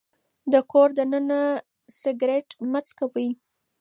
د کور دننه سګرټ مه څکوئ.